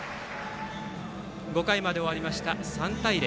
５回まで終わりまして３対０。